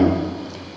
yang terima kasih